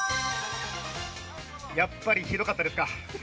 やっぱりひどかったですか。